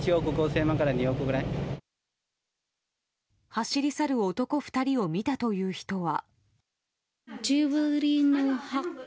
走り去る男２人を見たという人は。